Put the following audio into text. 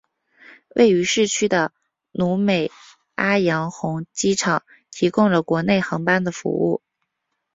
位于市区的努美阿洋红机场提供了国内航班的服务。